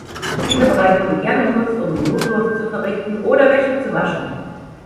Dieser Bereich wurde gerne benutzt, um die Notdurft zu verrichten oder Wäsche zu waschen.